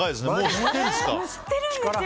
知ってるんですよ。